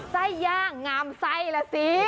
ไส้ย่างงามไส้ล่ะสิ